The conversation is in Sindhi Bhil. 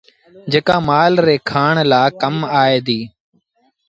جيڪآ مآل ري کآڻ لآ ڪم آئي ديٚ۔